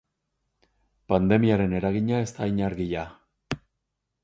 Pandemiaren eragina ez da hain argia.